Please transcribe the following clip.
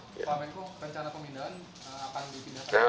pak menko rencana pemindahan akan dipindahkan